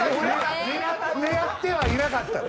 狙ってはいなかった。